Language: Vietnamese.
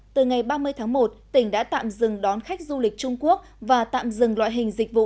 từ ngày ba mươi tháng một tỉnh đã tạm dừng đón khách du lịch trung quốc và tạm dừng loại hình dịch vụ